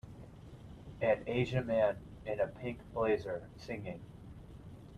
An Asian man in a pink blazer singing.